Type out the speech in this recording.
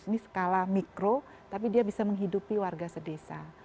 ini kan bagus ini skala mikro tapi dia bisa menghidupi warga sedesa